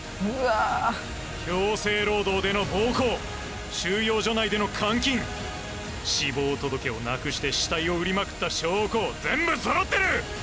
強制労働での暴行収容所内での監禁死亡届をなくして死体を売りまくった証拠全部揃ってる！